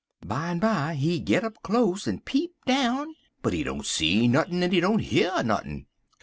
Bimeby he git up close en peep down, but he don't see nuthin' en he don't year nuthin'.